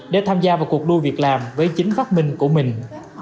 để tham gia vào cuộc đua việc làm với chính phát minh của mình